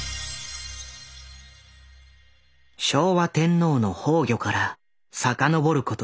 昭和天皇の崩御からさかのぼること